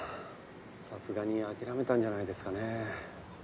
さすがに諦めたんじゃないですかね。